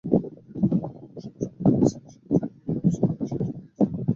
তিনি তার কর্মজীবনে সবসময় তার স্ত্রী শাহজাদী মিহরিমাহ সুলতানের সাহায্য পেয়েছেন।